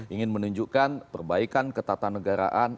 ingin menunjukkan perbaikan ketatanegaraan